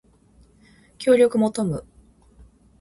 協力求む